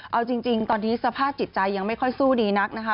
เอาจริงตอนนี้สภาพจิตใจยังไม่ค่อยสู้ดีนักนะคะ